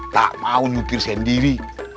tak mau nyupir sendiri